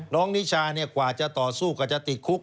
น้องนิชากว่าจะต่อสู้ก็จะติดคุก